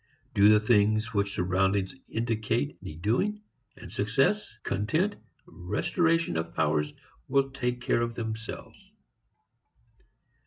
Do the things which surroundings indicate need doing, and success, content, restoration of powers will take care of themselves.